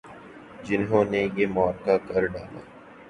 جنہوں نے یہ معرکہ کر ڈالا۔